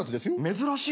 珍しい。